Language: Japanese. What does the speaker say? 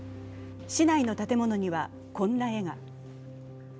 市内の建物にはこんな絵が。